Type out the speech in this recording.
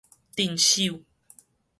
鎮守